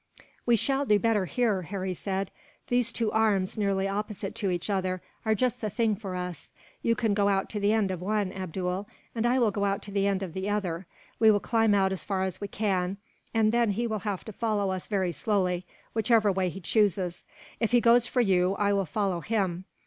"We shall do better, here," Harry said. "These two arms, nearly opposite to each other, are just the thing for us. "You go out to the end of one, Abdool, and I will go out to the end of the other. We will climb out as far as we can, and then he will have to follow us very slowly, whichever way he chooses. If he goes for you, I will follow him.